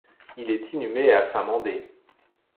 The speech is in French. Il est inhumé à Saint-Mandé.